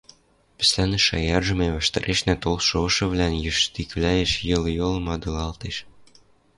Пӹслӓнӹшӹ аяржы мӓ ваштарешнӓ толшы ошывлӓн йыштиквлӓэш йыл-йол мадылдалеш